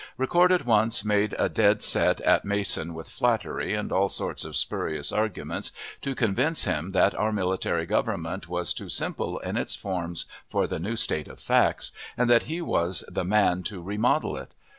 Ricord at once made a dead set at Mason with flattery, and all sorts of spurious arguments, to convince him that our military government was too simple in its forms for the new state of facts, and that he was the man to remodel it.